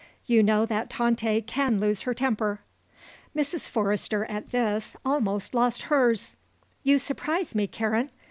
You know that Tante can lose her temper." Mrs. Forrester, at this, almost lost hers. "You surprise me, Karen.